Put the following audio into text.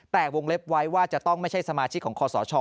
แต่วงเล็บไว้ว่าจะต้องไม่ใช่สมาชิกของคอสช